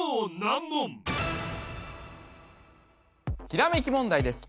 ひらめき問題です